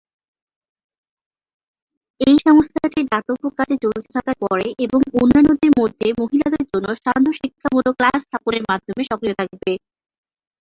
এই সংস্থাটি দাতব্য কাজে জড়িত থাকার পরে এবং অন্যান্যদের মধ্যে মহিলাদের জন্য সান্ধ্য শিক্ষামূলক ক্লাস স্থাপনের মাধ্যমে সক্রিয় থাকবে।